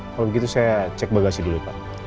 kalau begitu saya cek bagasi dulu pak